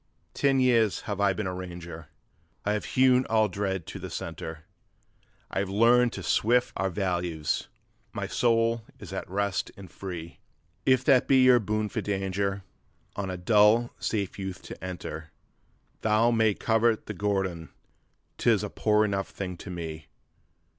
'Ten years have I been a ranger, I have hewn all dread to the centre; I have learned to sift out values; my soul is at rest and free. If that be your boon for danger, on a dull safe youth to enter, Tho' some may covet the guerdon, 'tis a poor enough thing to me.